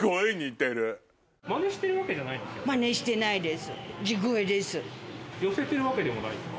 真似してないです。